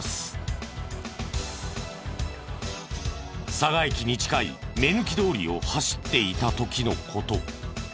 佐賀駅に近い目抜き通りを走っていた時の事。